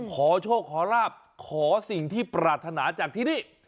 ขอโชคขอราบขอสิ่งที่ปรารถนาจากที่นี่